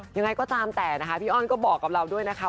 ยังไงก็ตามแต่นะคะพี่อ้อนก็บอกกับเราด้วยนะคะ